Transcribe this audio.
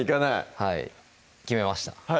はい決めました